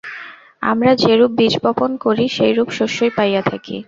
আমরা যেরূপ বীজ বপন করি, সেইরূপ শস্যই পাইয়া থাকি।